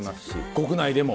国内でも？